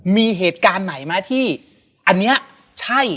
มีเหตุการณ์ไหนไหมที่อันนี้ใช่